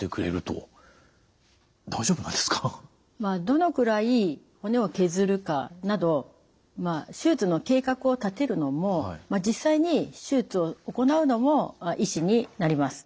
どのくらい骨を削るかなど手術の計画を立てるのも実際に手術を行うのも医師になります。